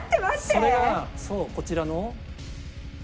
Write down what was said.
それがそうこちらの。